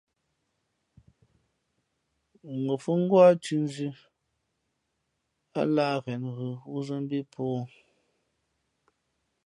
Ngα̌ fhʉ̄ ngwá thʉ̌ nzʉ̄, ά lǎh ghěn ghʉ wúzᾱ mbí pōō mbǎ.